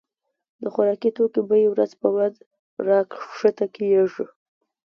د خوراکي توکو بيي ورځ په ورځ را کښته کيږي.